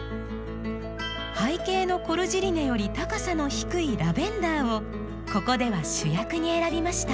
背景のコルジリネより高さの低いラベンダーをここでは主役に選びました。